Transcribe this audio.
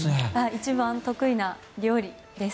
一番得意な料理です。